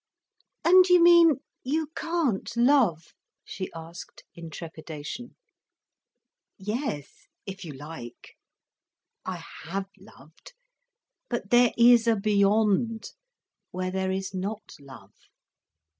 "And you mean you can't love?" she asked, in trepidation. "Yes, if you like. I have loved. But there is a beyond, where there is not love."